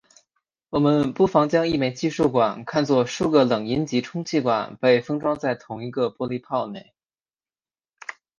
我们不妨将一枚计数管看作数个冷阴极充气管被封装在同一个玻璃泡内。